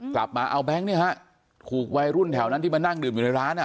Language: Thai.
กลับมาเอาแบงค์เนี่ยฮะถูกวัยรุ่นแถวนั้นที่มานั่งดื่มอยู่ในร้านอ่ะ